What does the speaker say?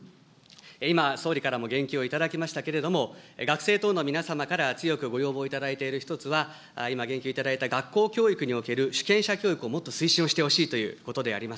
今、総理からも言及をいただきましたけれども、学生等の皆様から強くご要望いただいている１つは、今言及いただいた学校教育における主権者教育をもっと推奨をしてほしいということです。